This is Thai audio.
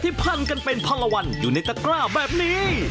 พันกันเป็นพันละวันอยู่ในตะกร้าแบบนี้